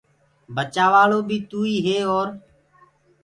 بچآوآݪو بي توئيٚ هي اور